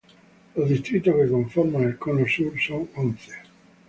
Los distritos que conforman el Cono Sur son once.